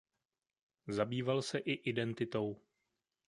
Zabýval se i identitou.